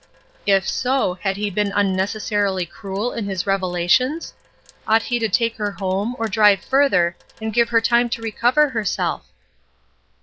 If so, had he been unnecessarily cruel in his revelations? Ought he to take her home, or drive further, and give her time to recover herself?